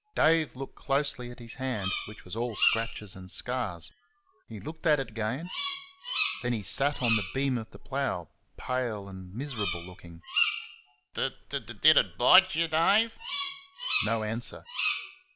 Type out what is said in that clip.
Dave looked closely at his hand, which was all scratches and scars. He looked at it again; then he sat on the beam of the plough, pale and miserable looking. "D d did it bite y', Dave?" No answer.